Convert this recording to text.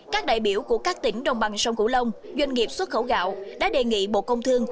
các đại biểu của các tỉnh đồng bằng sông cửu long doanh nghiệp xuất khẩu gạo đã đề nghị bộ công thương